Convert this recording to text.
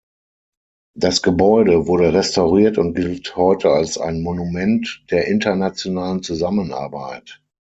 Das Gebäude wurde restauriert und gilt heute als ein Monument der Internationalen Zusammenarbeit.